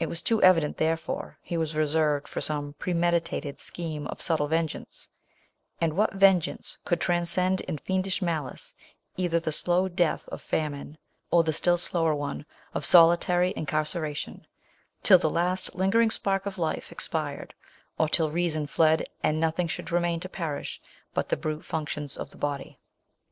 It was too evident, therefore, he was reserved for some premeditated scheme of subtle ven geance ; and what vengeance could transcend in fiendish malice, either the slow death of famine, or the still slower one of solitary incarceration, till the last lingering spark of life ex pired, or till reason fled, and nothing should remain to perish but the brute functions of the body